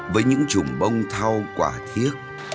với những trùng bông thau quả thiết